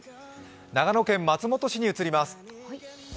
長野県松本市に移ります。